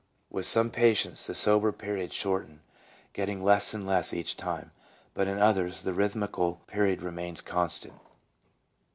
1 With some patients the sober periods shorten, getting less and less each time, but in others the rhythmical period remains constant.